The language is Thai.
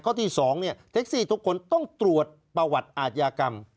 ข้อที่๒เท็กซี่ทุกคนต้องตรวจประวัติอาทยากรรม